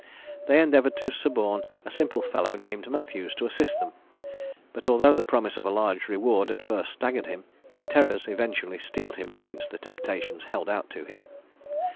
They endeavoured to suborn a simple fellow named Matthews to assist them, but although the promise of a large reward at first staggered him, his terrors eventually steeled him against the temptations held out to him.